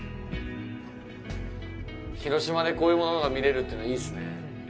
広島でこういうものが見れるってのは、いいっすね。